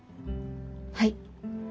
はい。